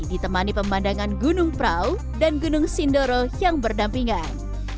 ditemani pemandangan gunung prau dan gunung sindoro yang berdampingan